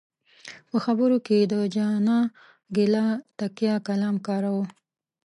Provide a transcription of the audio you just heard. په خبرو کې یې د جانه ګله تکیه کلام کاراوه.